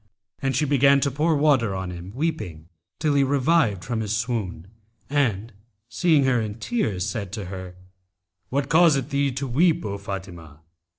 And she began to pour water on him weeping, till he revived from his swoon; and, seeing her in tears said to her, 'What causeth thee to weep, O Fatimah?'